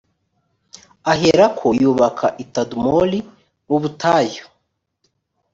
aherako yubaka i tadumori mu butayu